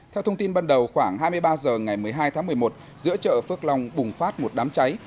theo thông tin ban đầu khoảng hai mươi ba h ngày một mươi hai tháng một mươi một giữa chợ phước long bùng phát một đám cháy